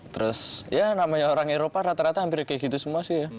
terus ya namanya orang eropa rata rata hampir kayak gitu semua sih ya